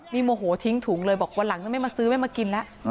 นี่โมโหทิ้งถุงเลยบอกวันหลังจะไม่มาซื้อไม่มากินแล้ว